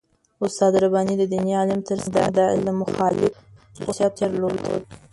استاد رباني د دیني عالم تر څنګ د علم مخالف خصوصیت درلود.